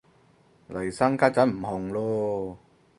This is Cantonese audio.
嚟生家陣唔紅嚕